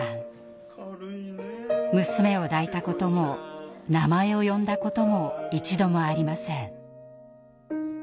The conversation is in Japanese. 娘を抱いたことも名前を呼んだことも一度もありません。